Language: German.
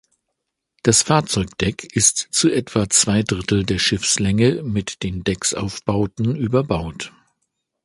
Das Fahrzeugdeck ist zu etwa zwei Drittel der Schiffslänge mit den Decksaufbauten überbaut.